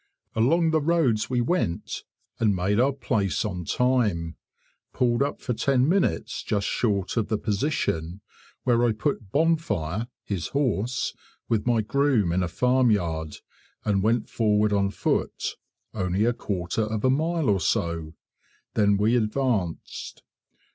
Along the roads we went, and made our place on time, pulled up for ten minutes just short of the position, where I put Bonfire [his horse] with my groom in a farmyard, and went forward on foot only a quarter of a mile or so then we advanced.